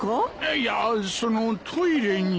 いやそのトイレに。